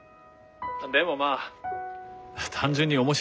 でもまあ単純に面白いです